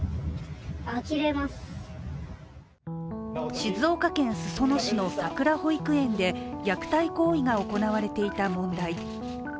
静岡県裾野市のさくら保育園で虐待行為が行われていた問題。